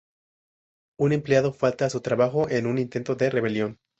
Un empleado falta a su trabajo en un intento de rebelión.